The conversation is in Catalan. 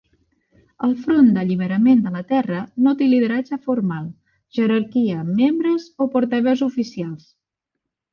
El Front d'Alliberament de la Terra no té lideratge formal, jerarquia, membres o portaveus oficials.